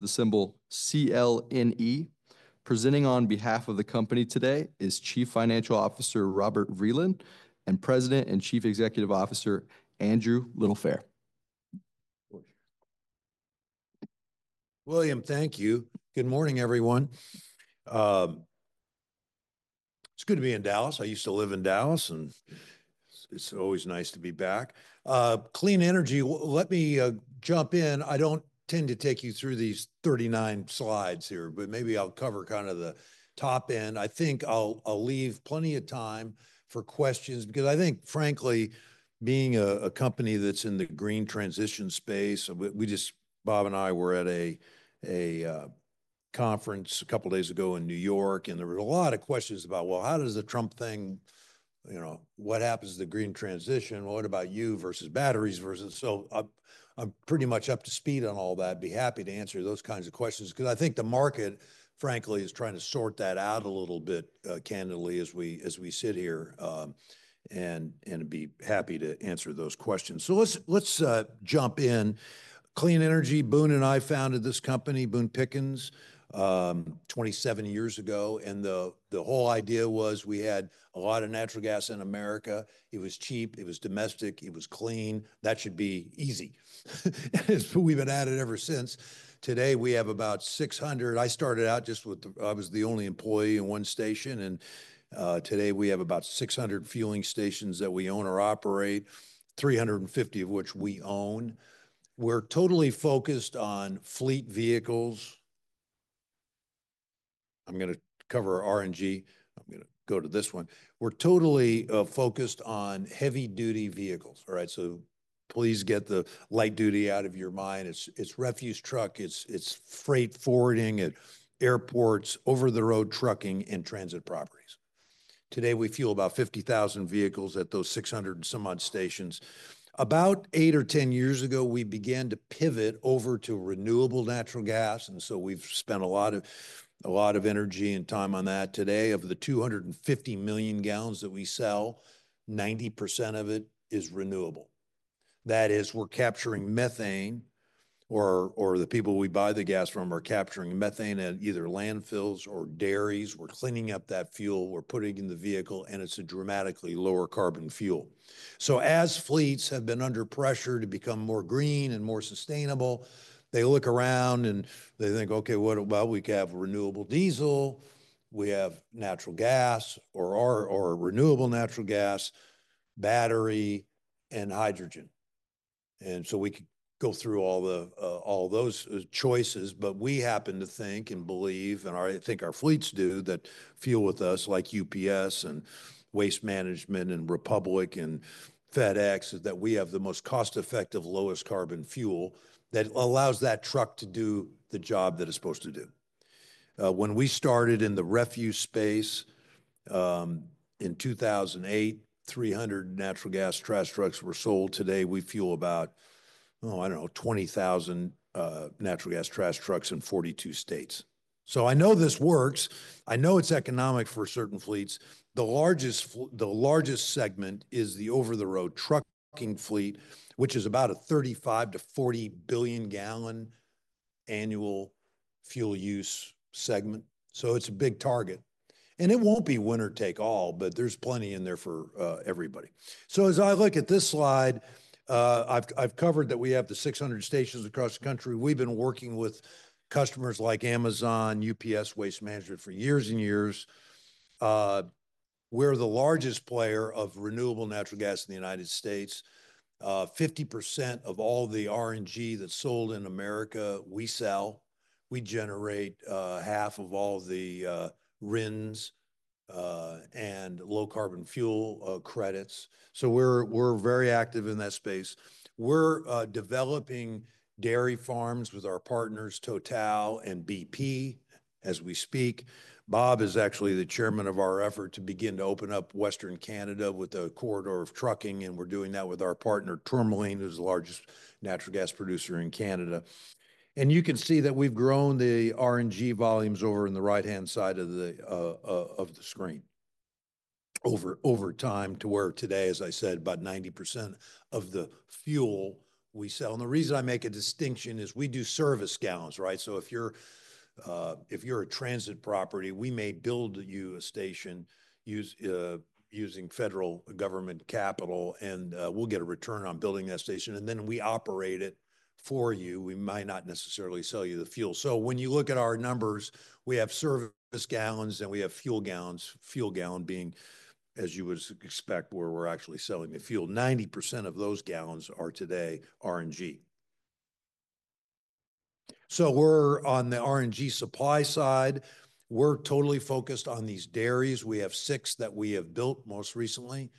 The symbol CLNE. Presenting on behalf of the company today is Chief Financial Officer Robert Vreeland and President and Chief Executive Officer Andrew Littlefair. William, thank you. Good morning, everyone. It's good to be in Dallas. I used to live in Dallas, and it's always nice to be back. Clean Energy, let me jump in. I don't tend to take you through these 39 slides here, but maybe I'll cover kind of the top end. I think I'll leave plenty of time for questions because I think, frankly, being a company that's in the green transition space, we just, Bob and I were at a conference a couple days ago in New York, and there were a lot of questions about, well, how does the Trump thing, you know, what happens to the green transition? What about you versus batteries versus? So I'm pretty much up to speed on all that. be happy to answer those kinds of questions 'cause I think the market, frankly, is trying to sort that out a little bit, candidly as we sit here, and be happy to answer those questions. So let's jump in. Clean Energy, Boone and I founded this company, Boone Pickens, 27 years ago. The whole idea was we had a lot of natural gas in America. It was cheap, it was domestic, it was clean. That should be easy. We've been at it ever since. Today we have about 600. I started out just with the. I was the only employee in one station. Today we have about 600 fueling stations that we own or operate, 350 of which we own. We're totally focused on fleet vehicles. I'm gonna cover RNG. I'm gonna go to this one. We're totally focused on heavy-duty vehicles. All right. So please get the light-duty out of your mind. It's, it's refuse truck. It's, it's freight forwarding at airports, over-the-road trucking, and transit properties. Today we fuel about 50,000 vehicles at those 600 and some odd stations. About eight or 10 years ago, we began to pivot over to renewable natural gas. And so we've spent a lot of energy and time on that. Today, of the 250 million gal that we sell, 90% of it is renewable. That is, we're capturing methane, or the people we buy the gas from are capturing methane at either landfills or dairies. We're cleaning up that fuel, we're putting it in the vehicle, and it's a dramatically lower carbon fuel. So, as fleets have been under pressure to become more green and more sustainable, they look around and they think, okay, what, well, we can have renewable diesel, we have natural gas, or, or, or renewable natural gas, battery, and hydrogen. And so we could go through all the, all those choices, but we happen to think and believe, and I, I think our fleets do that fuel with us like UPS and Waste Management and Republic and FedEx is that we have the most cost-effective, lowest carbon fuel that allows that truck to do the job that it's supposed to do. When we started in the refuse space, in 2008, 300 natural gas trash trucks were sold. Today we fuel about, oh, I don't know, 20,000 natural gas trash trucks in 42 states. So I know this works. I know it's economic for certain fleets. The largest segment is the over-the-road trucking fleet, which is about a 35-40 billion gal annual fuel use segment. So it's a big target. And it won't be winner take all, but there's plenty in there for everybody. So as I look at this slide, I've covered that we have the 600 stations across the country. We've been working with customers like Amazon, UPS, Waste Management for years and years. We're the largest player of renewable natural gas in the United States. 50% of all the RNG that's sold in America, we sell. We generate half of all the RINs and low carbon fuel credits. So we're very active in that space. We're developing dairy farms with our partners, Total and BP as we speak. Bob is actually the chairman of our effort to begin to open up Western Canada with a corridor of trucking. We're doing that with our partner, Tourmaline, who's the largest natural gas producer in Canada. You can see that we've grown the RNG volumes over on the right-hand side of the screen over time to where today, as I said, about 90% of the fuel we sell. The reason I make a distinction is we do service gal, right? So if you're a transit property, we may build you a station using federal government capital, and we'll get a return on building that station. Then we operate it for you. We might not necessarily sell you the fuel. So when you look at our numbers, we have service gal and we have fuel gal, fuel gallon being, as you would expect, where we're actually selling the fuel. 90% of those gal are today RNG. So we're on the RNG supply side. We're totally focused on these dairies. We have six that we have built most recently.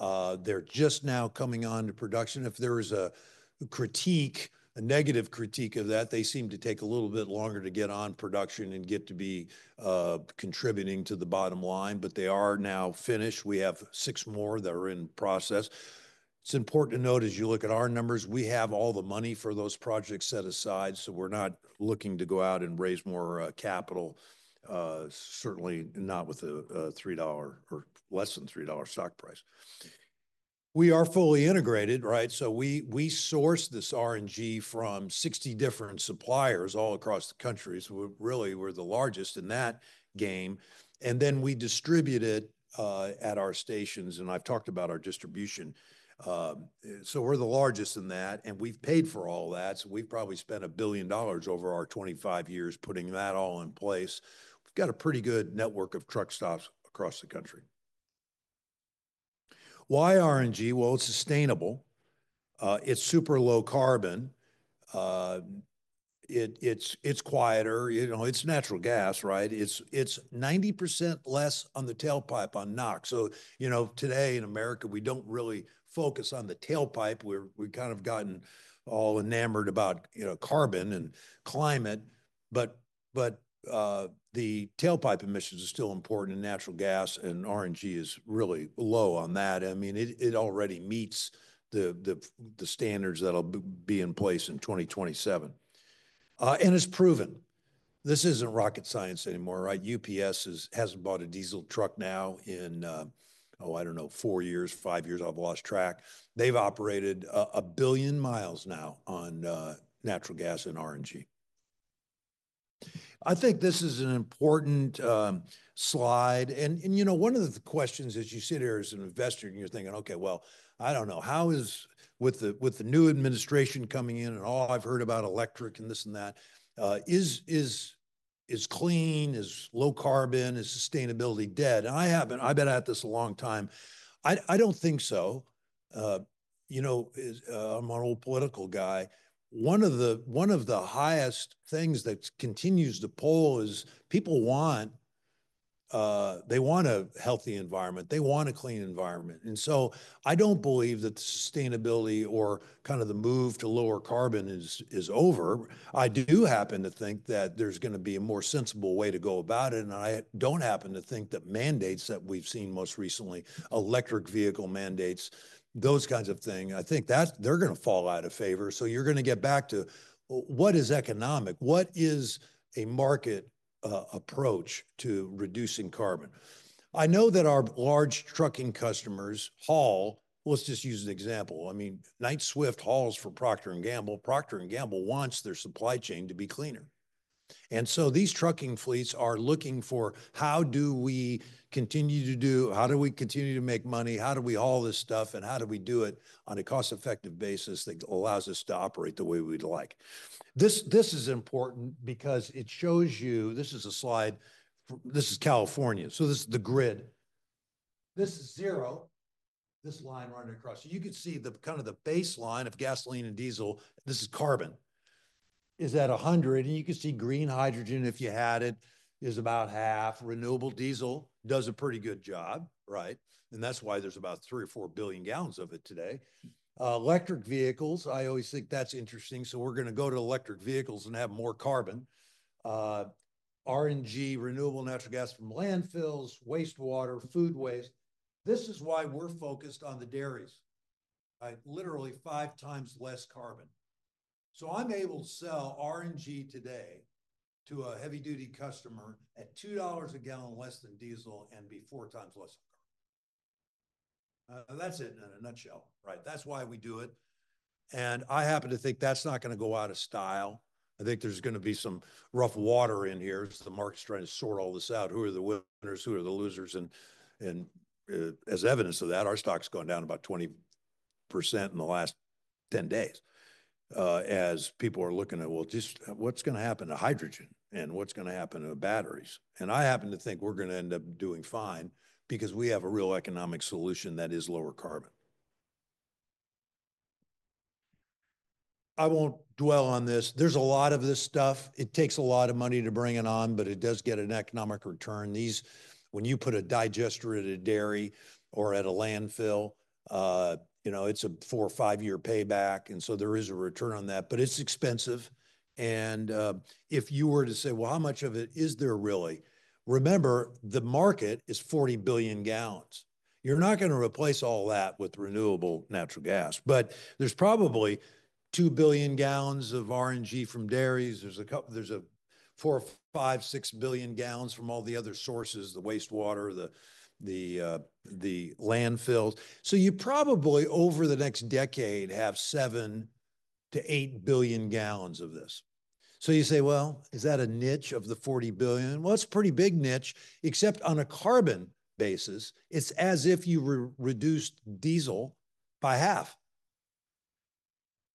They're just now coming on to production. If there is a critique, a negative critique of that, they seem to take a little bit longer to get on production and get to be contributing to the bottom line. But they are now finished. We have six more that are in process. It's important to note as you look at our numbers, we have all the money for those projects set aside. So we're not looking to go out and raise more capital, certainly not with a $3 or less than $3 stock price. We are fully integrated, right? So we source this RNG from 60 different suppliers all across the country. So we're really the largest in that game. And then we distribute it at our stations. And I've talked about our distribution. So we're the largest in that. And we've paid for all that. So we've probably spent a billion dollars over our 25 years putting that all in place. We've got a pretty good network of truck stops across the country. Why RNG? Well, it's sustainable. It's super low carbon. It's quieter. You know, it's natural gas, right? It's 90% less on the tailpipe on NOx. So, you know, today in America, we don't really focus on the tailpipe. We've kind of gotten all enamored about, you know, carbon and climate. But the tailpipe emissions are still important in natural gas, and RNG is really low on that. I mean, it already meets the standards that'll be in place in 2027, and it's proven. This isn't rocket science anymore, right? UPS has bought a diesel truck now in, oh, I don't know, four years, five years. I've lost track. They've operated a billion miles now on natural gas and RNG. I think this is an important slide. And you know, one of the questions as you sit here as an investor, and you're thinking, okay, well, I don't know, how is with the, with the new administration coming in and all I've heard about electric and this and that, is clean, is low carbon, is sustainability dead? And I haven't. I've been at this a long time. I, I don't think so. You know, I'm an old political guy. One of the, one of the highest things that continues to pull is people want, they want a healthy environment. They want a clean environment. And so I don't believe that the sustainability or kind of the move to lower carbon is, is over. I do happen to think that there's gonna be a more sensible way to go about it. And I don't happen to think that mandates that we've seen most recently, electric vehicle mandates, those kinds of things, I think that they're gonna fall out of favor. So you're gonna get back to what is economic? What is a market approach to reducing carbon? I know that our large trucking customers haul. Let's just use an example. I mean, Knight-Swift hauls for Procter & Gamble. Procter & Gamble wants their supply chain to be cleaner. And so these trucking fleets are looking for how do we continue to do, how do we continue to make money, how do we haul this stuff, and how do we do it on a cost-effective basis that allows us to operate the way we'd like. This, this is important because it shows you, this is a slide, this is California. So this is the grid. This is zero, this line running across. So you could see the kind of the baseline of gasoline and diesel, this is carbon, is at 100. And you could see green hydrogen, if you had it, is about half. Renewable diesel does a pretty good job, right? And that's why there's about three or four billion gal of it today. Electric vehicles, I always think that's interesting. So we're gonna go to electric vehicles and have more carbon. RNG, renewable natural gas from landfills, wastewater, food waste. This is why we're focused on the dairies, right? Literally five times less carbon. So I'm able to sell RNG today to a heavy-duty customer at $2 a gal less than diesel and be four times less on carbon. That's it in a nutshell, right? That's why we do it. And I happen to think that's not gonna go out of style. I think there's gonna be some rough water in here. The market's trying to sort all this out. Who are the winners? Who are the losers? And as evidence of that, our stock's gone down about 20% in the last 10 days. As people are looking at, well, just what's gonna happen to hydrogen and what's gonna happen to batteries? I happen to think we're gonna end up doing fine because we have a real economic solution that is lower carbon. I won't dwell on this. There's a lot of this stuff. It takes a lot of money to bring it on, but it does get an economic return. These, when you put a digester at a dairy or at a landfill, you know, it's a four- or five-year payback. So there is a return on that, but it's expensive. If you were to say, well, how much of it is there really? Remember, the market is 40 billion gal. You're not gonna replace all that with renewable natural gas, but there's probably 2 billion gal of RNG from dairies. There's a couple, there's four, five, six billion gal from all the other sources, the wastewater, the landfills. You probably over the next decade have seven to eight billion gal of this. You say, well, is that a niche of the 40 billion? Well, it's a pretty big niche, except on a carbon basis, it's as if you're reducing diesel by half,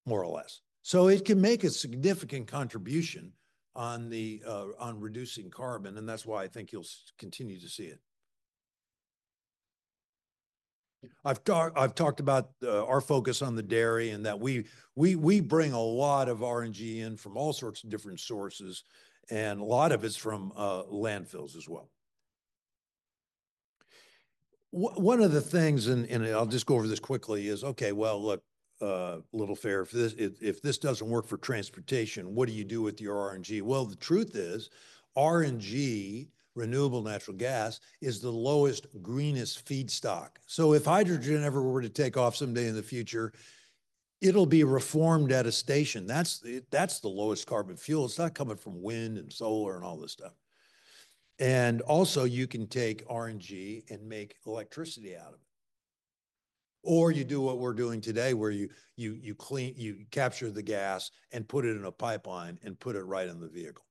more or less. So it can make a significant contribution on the, on reducing carbon. And that's why I think you'll continue to see it. I've talked about our focus on the dairy and that we bring a lot of RNG in from all sorts of different sources, and a lot of it's from landfills as well. One of the things, and I'll just go over this quickly is, okay, well, look, Littlefair, if this doesn't work for transportation, what do you do with your RNG? The truth is RNG, renewable natural gas, is the lowest greenest feedstock. So if hydrogen ever were to take off someday in the future, it'll be reformed at a station. That's the lowest carbon fuel. It's not coming from wind and solar and all this stuff. And also you can take RNG and make electricity out of it. Or you do what we're doing today where you clean, you capture the gas and put it in a pipeline and put it right in the vehicle.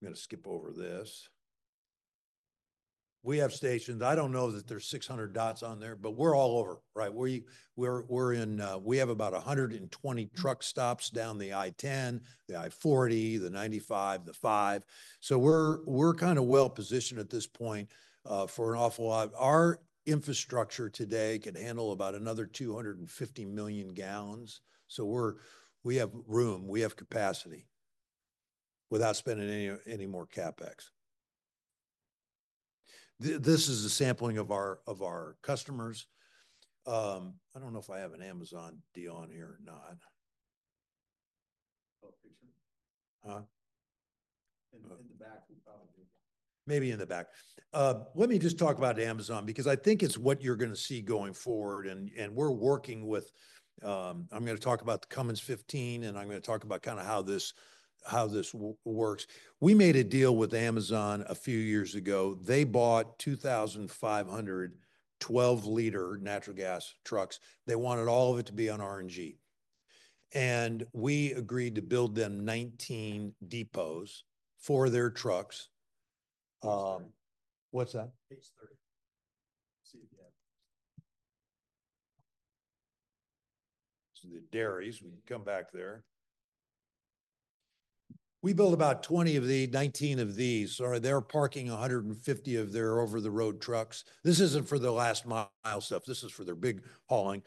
I'm gonna skip over this. We have stations. I don't know that there's 600 dots on there, but we're all over, right? We're in, we have about 120 truck stops down the I-10, the I-40, the I-95, the I-5. So we're kind of well positioned at this point, for an awful lot. Our infrastructure today can handle about another 250 million gal. So we have room. We have capacity without spending any more CapEx. This is a sampling of our customers. I don't know if I have an Amazon deal on here or not. Huh? In the back, probably. Maybe in the back. Let me just talk about Amazon because I think it's what you're gonna see going forward. We're working with. I'm gonna talk about the Cummins 15, and I'm gonna talk about kind of how this works. We made a deal with Amazon a few years ago. They bought 2,500 12 L natural gas trucks. They wanted all of it to be on RNG. And we agreed to build them 19 depots for their trucks. What's that? The dairies, we can come back there. We built about 20 of the 19 of these. So they're parking 150 of their over-the-road trucks. This isn't for the last mile stuff. This is for their big hauling.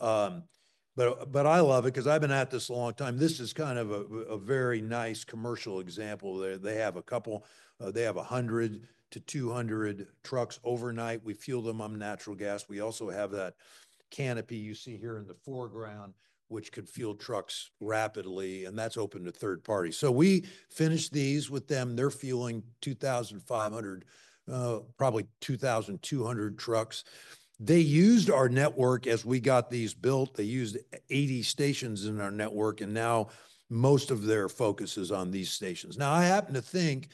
But I love it 'cause I've been at this a long time. This is kind of a very nice commercial example there. They have a couple, they have 100 to 200 trucks overnight. We fuel them on natural gas. We also have that canopy you see here in the foreground, which could fuel trucks rapidly, and that's open to third parties. So we finished these with them. They're fueling 2,500, probably 2,200 trucks. They used our network as we got these built. They used 80 stations in our network, and now most of their focus is on these stations. Now, I happen to think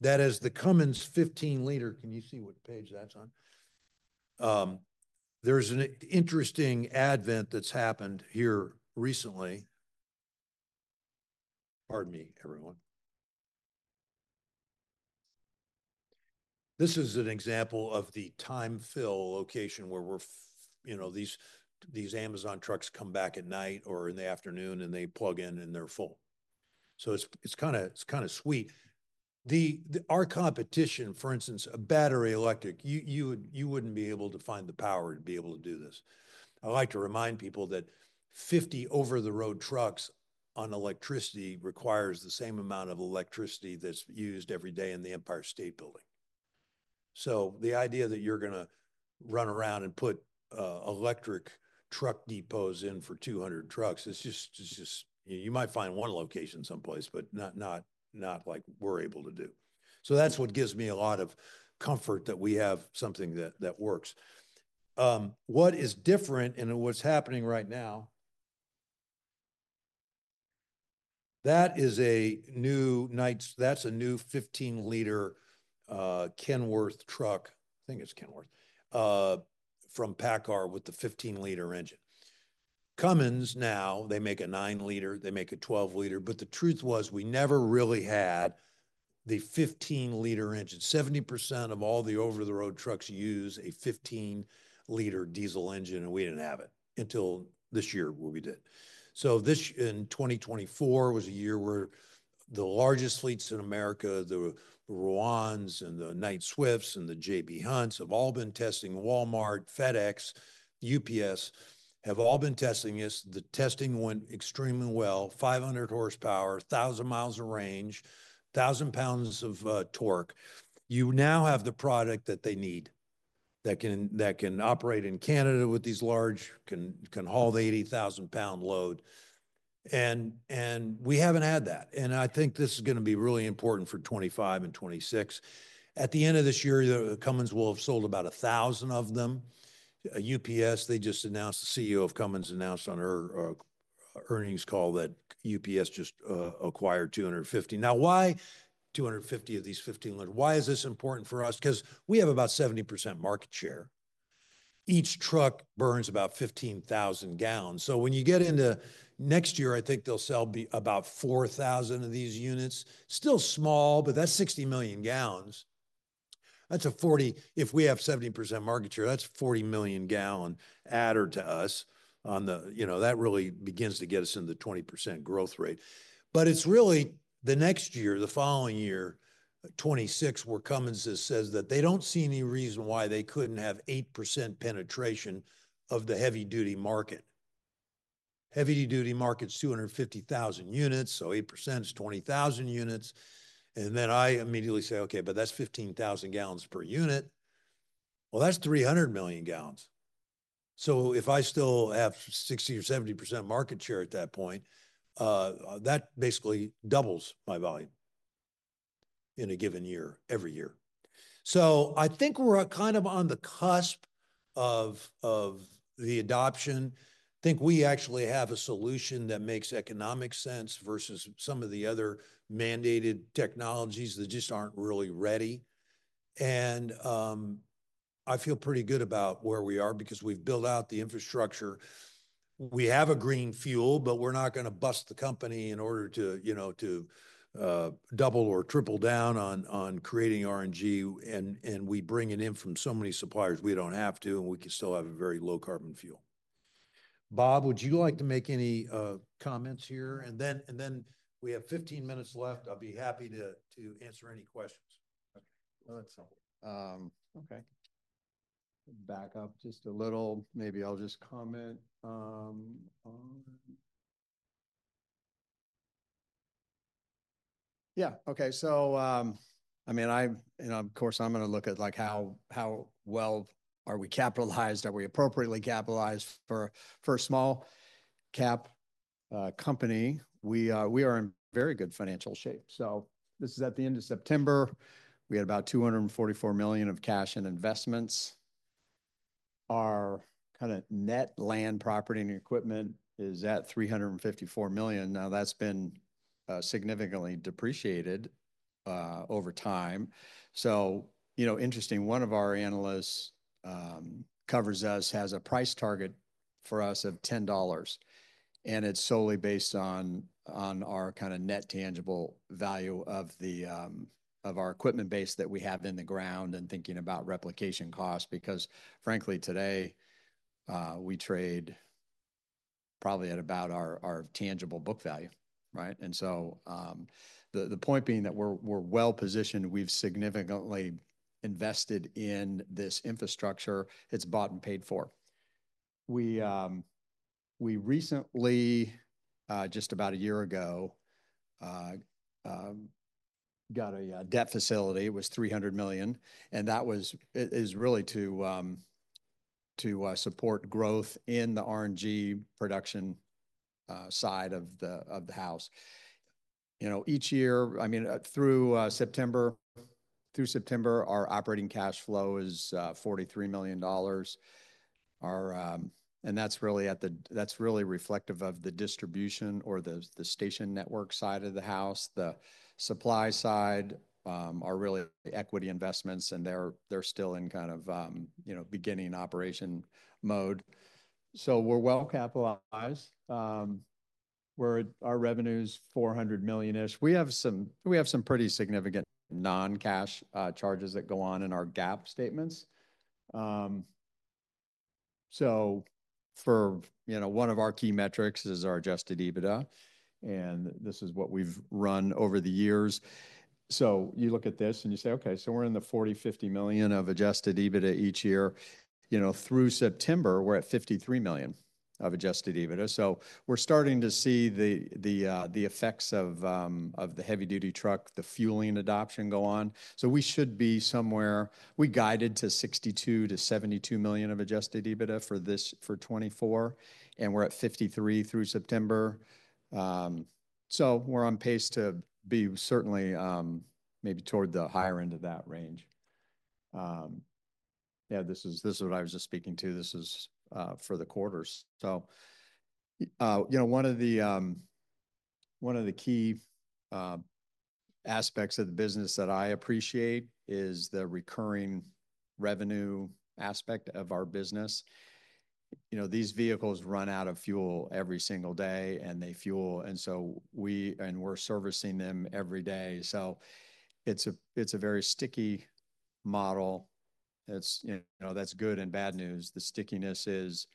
that as the Cummins 15 L, can you see what page that's on? There's an interesting event that's happened here recently. Pardon me, everyone. This is an example of the time fill location where we're, you know, these Amazon trucks come back at night or in the afternoon and they plug in and they're full. So it's kind of sweet. The our competition, for instance, a battery electric, you wouldn't be able to find the power to be able to do this. I like to remind people that 50 over-the-road trucks on electricity requires the same amount of electricity that's used every day in the Empire State Building. So the idea that you're gonna run around and put electric truck depots in for 200 trucks, it's just you might find one location someplace, but not like we're able to do. So that's what gives me a lot of comfort that we have something that works. What is different and what's happening right now, that is a new Knight, that's a new 15 L Kenworth truck. I think it's Kenworth from PACCAR with the 15-L engine. Cummins now, they make a 9-L, they make a 12-L, but the truth was we never really had the 15-L engine. 70% of all the over-the-road trucks use a 15-L diesel engine, and we didn't have it until this year where we did. So this in 2024 was a year where the largest fleets in America, the Ruans and the Knight-Swifts and the J.B. Hunts have all been testing. Walmart, FedEx, UPS have all been testing this. The testing went extremely well. 500 horsepower, a thousand miles of range, a thousand pounds of torque. You now have the product that they need that can operate in Canada with these large can haul the 80,000-pound load. And we haven't had that. And I think this is gonna be really important for 2025 and 2026. At the end of this year, the Cummins will have sold about a thousand of them. UPS, they just announced, the CEO of Cummins announced on her earnings call that UPS just acquired 250. Now, why 250 of these 15 L? Why is this important for us? 'Cause we have about 70% market share. Each truck burns about 15,000 gal. So when you get into next year, I think they'll sell about 4,000 of these units. Still small, but that's 60 million gal. That's a 40, if we have 70% market share, that's 40 million gallon added to us on the, you know, that really begins to get us into the 20% growth rate. But it's really the next year, the following year, 2026, where Cummins says that they don't see any reason why they couldn't have 8% penetration of the heavy-duty market. Heavy-duty market's 250,000 units, so 8% is 20,000 units. And then I immediately say, okay, but that's 15,000 gal per unit. Well, that's 300 million gal. So if I still have 60%-70% market share at that point, that basically doubles my volume in a given year, every year. So I think we're kind of on the cusp of the adoption. I think we actually have a solution that makes economic sense versus some of the other mandated technologies that just aren't really ready. I feel pretty good about where we are because we've built out the infrastructure. We have a green fuel, but we're not gonna bust the company in order to, you know, to, double or triple down on, on creating RNG. And, and we bring it in from so many suppliers, we don't have to, and we can still have a very low carbon fuel. Bob, would you like to make any, comments here? And then, and then we have 15 minutes left. I'll be happy to, to answer any questions. Okay. Well, that's helpful. okay. Back up just a little. Maybe I'll just comment. Yeah. Okay. So, I mean, I, and of course I'm gonna look at like how, how well are we capitalized? Are we appropriately capitalized for, for a small-cap company? We, we are in very good financial shape. So this is at the end of September. We had about $244 million of cash and investments. Our kind of net land, property, and equipment is at $354 million. Now that's been significantly depreciated over time. So, you know, interesting, one of our analysts covers us has a price target for us of $10, and it's solely based on our kind of net tangible value of our equipment base that we have in the ground and thinking about replication costs. Because frankly, today, we trade probably at about our tangible book value, right? And so, the point being that we're well positioned, we've significantly invested in this infrastructure. It's bought and paid for. We recently, just about a year ago, got a debt facility. It was $300 million. That was, it is really to support growth in the RNG production side of the house. You know, each year, I mean, through September, our operating cash flow is $43 million. And that's really reflective of the distribution or the station network side of the house. The supply side are really equity investments. And they're still in kind of, you know, beginning operation mode. So we're well capitalized. We're. Our revenue's $400 million-ish. We have some pretty significant non-cash charges that go on in our GAAP statements. So, you know, one of our key metrics is our adjusted EBITDA. And this is what we've run over the years. You look at this and you say, okay, so we're in the $40 million-$50 million of adjusted EBITDA each year. You know, through September, we're at $53 million of adjusted EBITDA. So we're starting to see the effects of the heavy-duty truck fueling adoption go on. So we should be somewhere; we guided to $62 million-$72 million of adjusted EBITDA for 2024, and we're at $53 million through September. So we're on pace to be certainly maybe toward the higher end of that range. Yeah, this is what I was just speaking to. This is for the quarters. So, you know, one of the key aspects of the business that I appreciate is the recurring revenue aspect of our business. You know, these vehicles run out of fuel every single day and they fuel, and so we and we're servicing them every day. So it's a very sticky model. It's, you know, that's good and bad news. The stickiness is,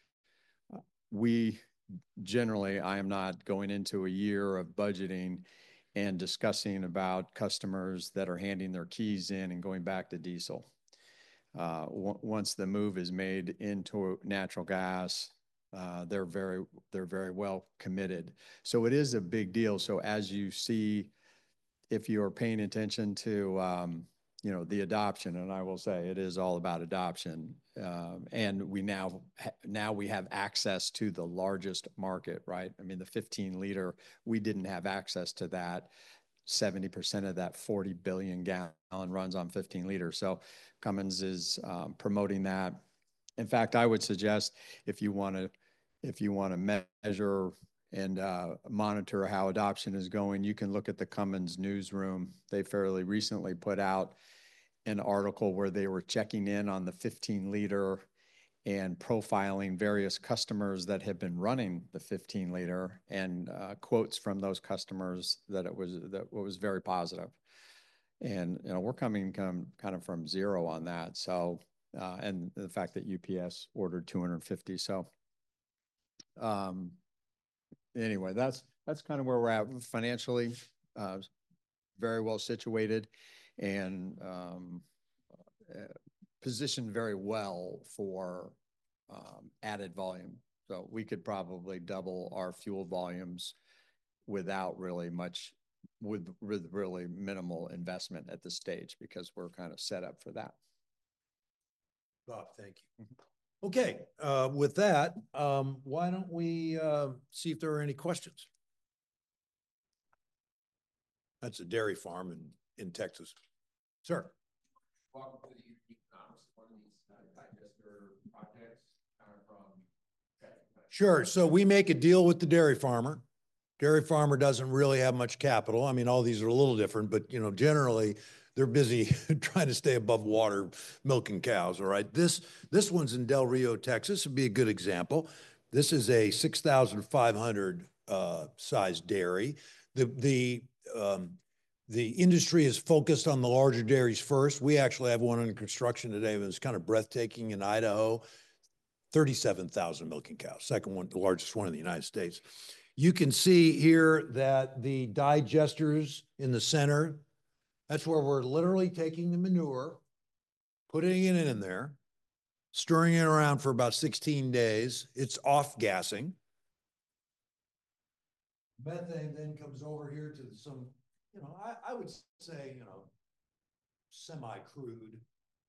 we generally, I am not going into a year of budgeting and discussing about customers that are handing their keys in and going back to diesel. Once the move is made into natural gas, they're very, they're very well committed. So it is a big deal. So as you see, if you are paying attention to, you know, the adoption, and I will say it is all about adoption, and we now, now we have access to the largest market, right? I mean, the 15 L, we didn't have access to that. 70% of that 40 billion gal runs on 15 L. So Cummins is, promoting that. In fact, I would suggest if you wanna, if you wanna measure and, monitor how adoption is going, you can look at the Cummins newsroom. They fairly recently put out an article where they were checking in on the 15-L and profiling various customers that had been running the 15-L and quotes from those customers that it was very positive. And, you know, we're coming kind of from zero on that. So, and the fact that UPS ordered 250. So, anyway, that's kind of where we're at financially, very well situated and positioned very well for added volume. So we could probably double our fuel volumes without really much with really minimal investment at this stage because we're kind of set up for that. Bob, thank you. Okay. With that, why don't we see if there are any questions? That's a dairy farm in Texas. Sir. Welcome to the icons, one of these digester projects kind of from Texas. Sure. So we make a deal with the dairy farmer. Dairy farmer doesn't really have much capital. I mean, all these are a little different, but you know, generally they're busy trying to stay above water milking cows. All right. This one's in Del Rio, Texas. This would be a good example. This is a 6,500 size dairy. The industry is focused on the larger dairies first. We actually have one in construction today. It was kind of breathtaking in Idaho, 37,000 milking cows. Second one, the largest one in the United States. You can see here that the digesters in the center, that's where we're literally taking the manure, putting it in there, stirring it around for about 16 days. It's off-gassing. Methane then comes over here to some, you know, I would say, you know, semi-crude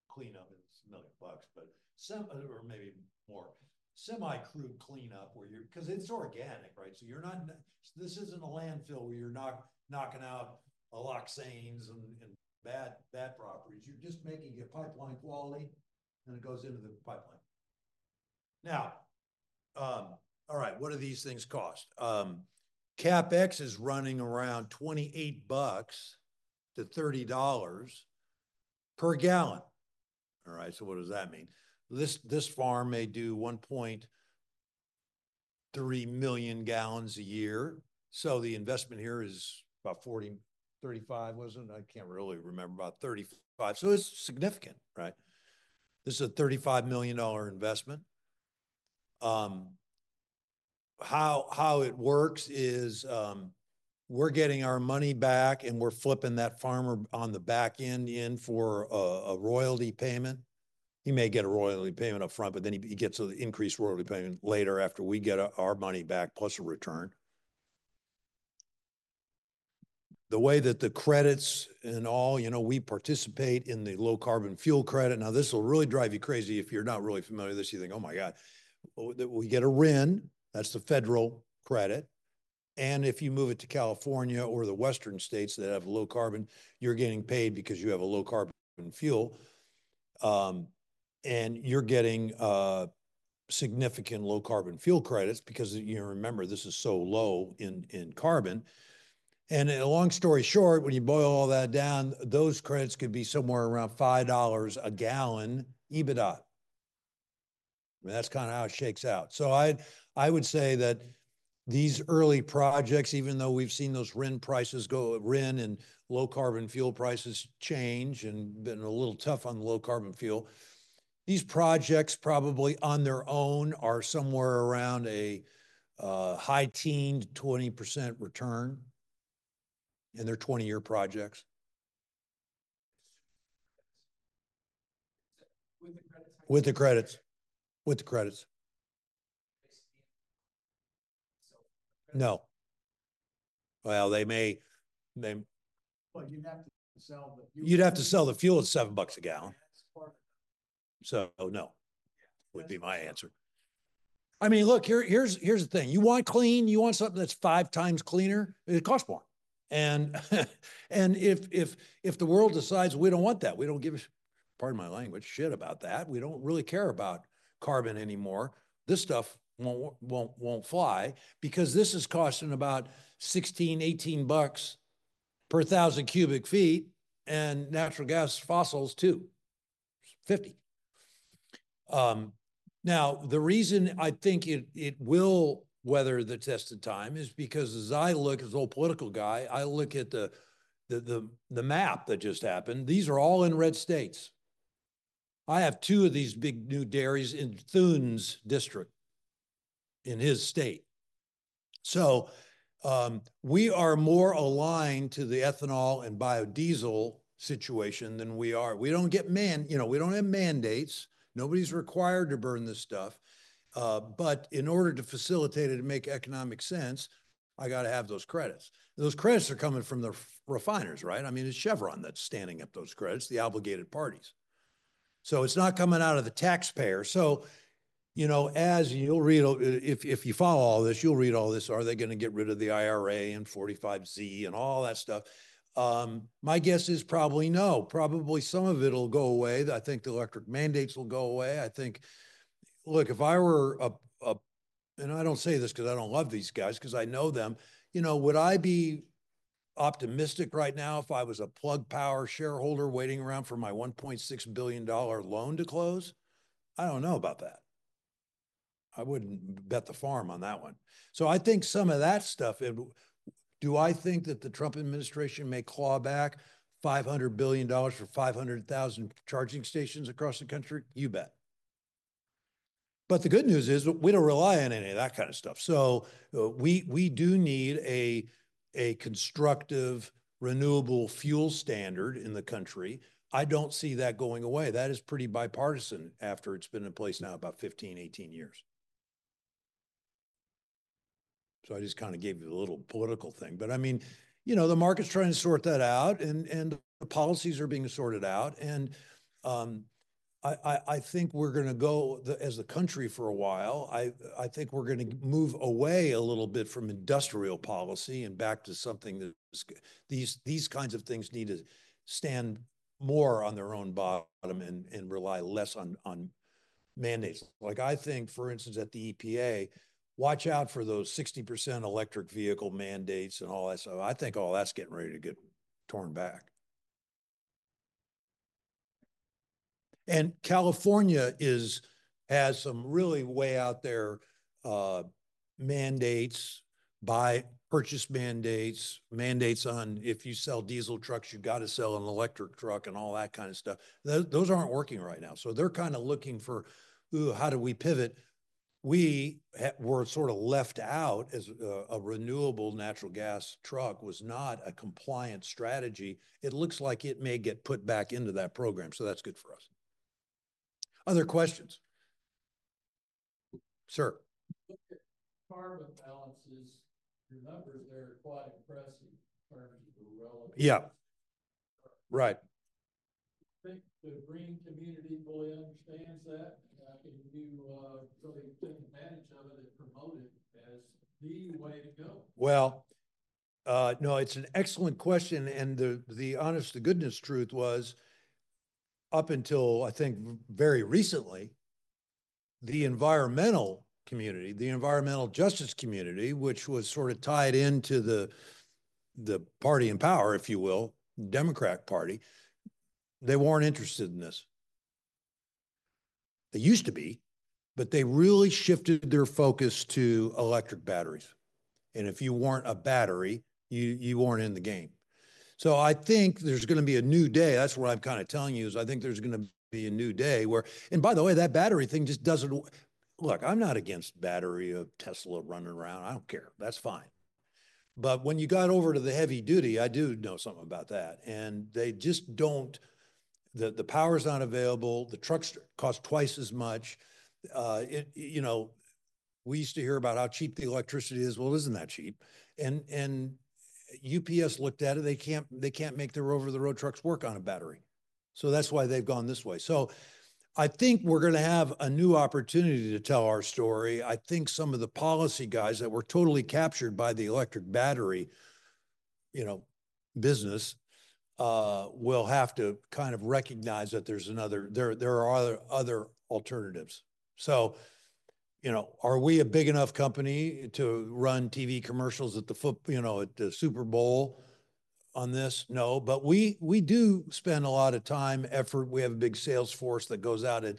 cleanup is a million bucks, but semi or maybe more semi-crude cleanup where you're, 'cause it's organic, right? So you're not, this isn't a landfill where you're knocking out a lot of NOx and bad properties. You're just making it pipeline quality and it goes into the pipeline. Now, all right, what do these things cost? CapEx is running around $28-$30 per gal. All right. So what does that mean? This farm may do 1.3 million gal a year. So the investment here is about 40, 35, wasn't it? I can't really remember about 35. So it's significant, right? This is a $35 million investment. How it works is, we're getting our money back and we're flipping that farmer on the back end in for a royalty payment. He may get a royalty payment upfront, but then he gets an increased royalty payment later after we get our money back, plus a return. The way that the credits and all, you know, we participate in the low carbon fuel credit. Now this will really drive you crazy. If you're not really familiar with this, you think, oh my God, we get a RIN, that's the federal credit. And if you move it to California or the western states that have low carbon, you're getting paid because you have a low carbon fuel. And you're getting significant low carbon fuel credits because you remember this is so low in carbon. Long story short, when you boil all that down, those credits could be somewhere around $5 a gal EBITDA. I mean, that's kind of how it shakes out. So I would say that these early projects, even though we've seen those RIN prices go, RIN and low carbon fuel prices change and been a little tough on the low carbon fuel, these projects probably on their own are somewhere around a high-teen 20% return and they're 20-year projects. With the credits. No. Well, they may. Well, you'd have to sell the fuel at $7 a gallon. So no, yeah, would be my answer. I mean, look here, here's the thing. You want clean, you want something that's five times cleaner, it costs more. And if the world decides we don't want that, we don't give a, pardon my language, shit about that. We don't really care about carbon anymore. This stuff won't fly because this is costing about $16-$18 per 1000 cu ft and natural gas fossil too. $50. Now the reason I think it will weather the test of time is because as I look, as an old political guy, I look at the map that just happened. These are all in red states. I have two of these big new dairies in Thune's district in his state. So, we are more aligned to the ethanol and biodiesel situation than we are. We don't get mandates, you know, we don't have mandates. Nobody's required to burn this stuff. But in order to facilitate it and make economic sense, I gotta have those credits. Those credits are coming from the refiners, right? I mean, it's Chevron that's standing up those credits, the obligated parties. So it's not coming out of the taxpayer. So, you know, as you'll read, if you follow all this, are they gonna get rid of the IRA and 45Z and all that stuff? My guess is probably no. Probably some of it'll go away. I think the electric mandates will go away. I think, look, if I were a, and I don't say this 'cause I don't love these guys 'cause I know them, you know, would I be optimistic right now if I was a Plug Power shareholder waiting around for my $1.6 billion loan to close? I don't know about that. I wouldn't bet the farm on that one. So I think some of that stuff, do I think that the Trump administration may claw back $500 billion for 500,000 charging stations across the country? You bet. But the good news is we don't rely on any of that kind of stuff. So we do need a constructive renewable fuel standard in the country. I don't see that going away. That is pretty bipartisan after it's been in place now about 15, 18 years. So I just kind of gave you a little political thing, but I mean, you know, the market's trying to sort that out and the policies are being sorted out. I think we're gonna go, as the country for a while. I think we're gonna move away a little bit from industrial policy and back to something that these kinds of things need to stand more on their own bottom and rely less on mandates. Like I think, for instance, at the EPA, watch out for those 60% electric vehicle mandates and all that stuff. I think all that's getting ready to get torn back. California has some really way out there mandates, buy purchase mandates, mandates on if you sell diesel trucks, you gotta sell an electric truck and all that kind of stuff. Those aren't working right now. So they're kind of looking for, ooh, how do we pivot? We were sort of left out as a renewable natural gas truck was not a compliant strategy. It looks like it may get put back into that program. So that's good for us. Other questions, sir? The carbon balances, your numbers there are quite impressive in terms of the relevance. Yeah. Right. I think the green community fully understands that. If you really take advantage of it and promote it as the way to go. Well, no, it's an excellent question. And the honest-to-goodness truth was up until I think very recently, the environmental community, the environmental justice community, which was sort of tied into the party in power, if you will, Democrat party, they weren't interested in this. They used to be, but they really shifted their focus to electric batteries. And if you weren't a battery, you weren't in the game. So I think there's gonna be a new day. That's what I'm kind of telling you is I think there's gonna be a new day where, and by the way, that battery thing just doesn't look. I'm not against battery of Tesla running around. I don't care. That's fine. But when you got over to the heavy duty, I do know something about that. And they just don't, the power's not available. The trucks cost twice as much. You know, we used to hear about how cheap the electricity is. Well, isn't that cheap? And UPS looked at it. They can't make their over-the-road trucks work on a battery. So that's why they've gone this way. So I think we're gonna have a new opportunity to tell our story. I think some of the policy guys that were totally captured by the electric battery, you know, business, will have to kind of recognize that there's another, there are other alternatives. So, you know, are we a big enough company to run TV commercials at the foot, you know, at the Super Bowl on this? No, but we do spend a lot of time, effort. We have a big sales force that goes out and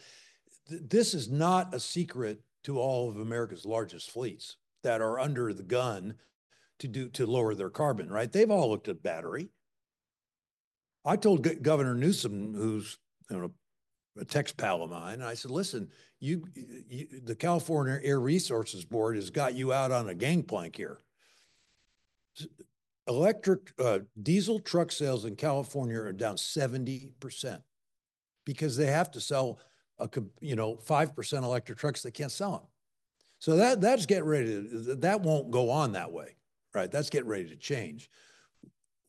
this is not a secret to all of America's largest fleets that are under the gun to lower their carbon, right? They've all looked at battery. I told Governor Newsom, who's, you know, a text pal of mine, and I said, listen, you, the California Air Resources Board has got you out on a gangplank here. Electric, diesel truck sales in California are down 70% because they have to sell a, you know, 5% electric trucks. They can't sell 'em. So that, that's getting ready to, that won't go on that way, right? That's getting ready to change.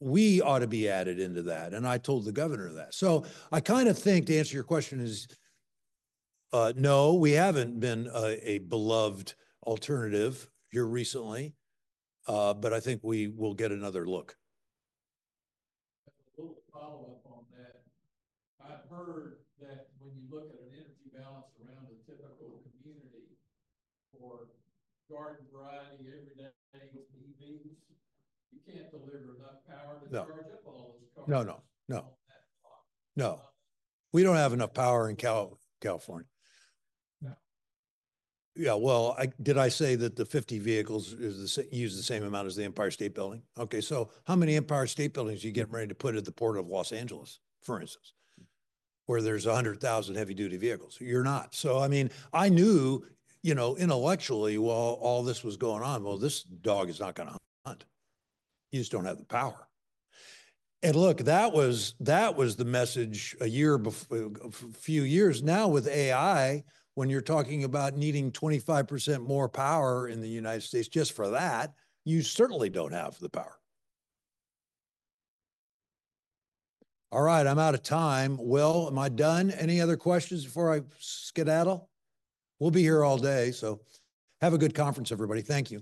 We ought to be added into that. And I told the governor that. So I kind of think to answer your question is, no, we haven't been a, a beloved alternative here recently. But I think we will get another look. A little follow-up on that. I've heard that when you look at an energy balance around the typical community for garden variety, everyday EVs, you can't deliver enough power to charge up all those cars. No, no, no. No. We don't have enough power in Cal, California. Yeah. Yeah. Did I say that the 50 vehicles is the same, use the same amount as the Empire State Building? Okay. So how many Empire State Buildings are you getting ready to put at the Port of Los Angeles, for instance, where there's a hundred thousand heavy-duty vehicles? You're not. So, I mean, I knew, you know, intellectually, well, all this was going on, well, this dog is not gonna hunt, you just don't have the power. And look, that was the message a year before, a few years now with AI, when you're talking about needing 25% more power in the United States just for that, you certainly don't have the power. All right. I'm out of time. Am I done? Any other questions before I skedaddle? We'll be here all day. Have a good conference, everybody. Thank you.